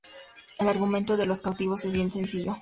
El argumento de "Los Cautivos" es bien sencillo.